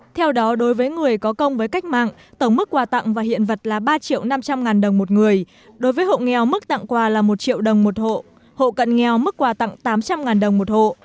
theo đó đối với người có công với cách mạng tổng mức quà tặng và hiện vật là ba triệu năm trăm linh ngàn đồng một người đối với hộ nghèo mức tặng quà là một triệu đồng một hộ hộ cận nghèo mức quà tặng tám trăm linh đồng một hộ